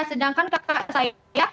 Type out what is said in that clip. sedangkan kakak saya